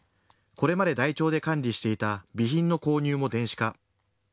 これまで台帳で管理していた備品の購入も電子化。